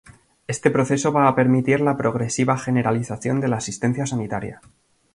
Este proceso va a permitir la progresiva generalización de la asistencia sanitaria.